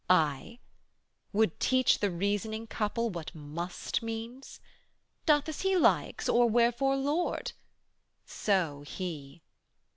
Aye? Would teach the reasoning couple what "must" means! 'Doth as he likes, or wherefore Lord? So He.